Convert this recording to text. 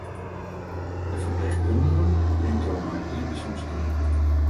De ferpleechkundige bringt jo nei in ienpersoanskeamer.